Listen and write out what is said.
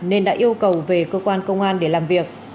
nên đã yêu cầu về cơ quan công an để làm việc